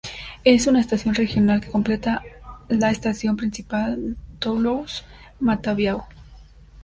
Es una estación regional, que complementa a la estación principal, Toulouse-Matabiau.